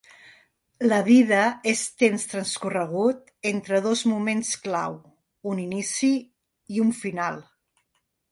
La vida és temps transcorregut entre dos moments clau, un inici i un final.